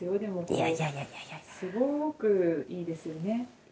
いやいやいやいやいやいやすごくいいですよね。